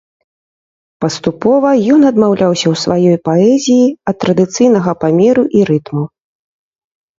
Паступова ён адмаўляўся ў сваёй паэзіі ад традыцыйнага памеру і рытму.